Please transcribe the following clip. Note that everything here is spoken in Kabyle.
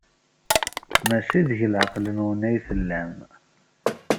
Maci deg leɛqel-nwen ay tellam.